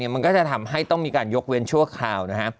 มันก็จะทำให้ต้องมีการยกเว้นชั่วคราวนะฮะ